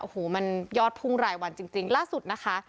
อโฮมันยอดพุงหลายวันจริงจริงล่าสุดนะคะ